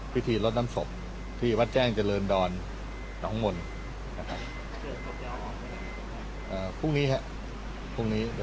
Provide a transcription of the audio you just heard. พิธีรดน้ำศพที่วัดแจ้งเจริญดอนหนังมนต์